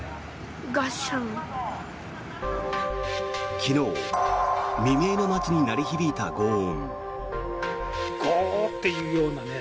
昨日、未明の街に鳴り響いたごう音。